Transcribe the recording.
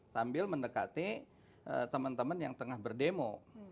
sambil mendekati teman teman yang tengah berdemo